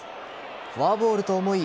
フォアボールと思い